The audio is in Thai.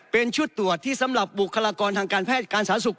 เป็นชุดตรวจที่สำหรับบุคลากรทางการแพทย์การสาธารณสุข